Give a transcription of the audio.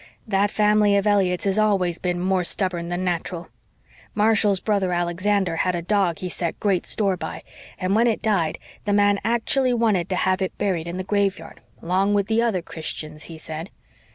That family of Elliotts has always been more stubborn than natteral. Marshall's brother Alexander had a dog he set great store by, and when it died the man actilly wanted to have it buried in the graveyard, 'along with the other Christians,' he said.